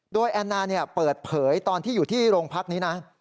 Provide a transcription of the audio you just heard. โดยแอนนาเปิดเผยตอนที่อยู่ที่โรงพักนี้นะ